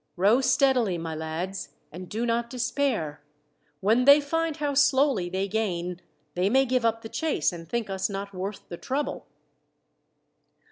Row steadily, my lads, and do not despair. When they find how slowly they gain, they may give up the chase and think us not worth the trouble.